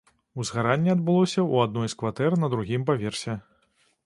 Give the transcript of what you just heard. Узгаранне адбылося ў адной з кватэр на другім паверсе.